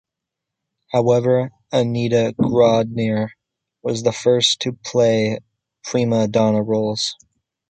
However, Annetta Grodner was the first to play "prima donna" roles.